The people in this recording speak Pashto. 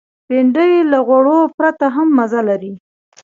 بېنډۍ له غوړو پرته هم مزه لري